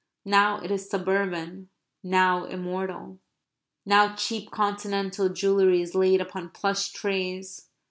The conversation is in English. Now it is suburban; now immortal. Now cheap continental jewellery is laid upon plush trays.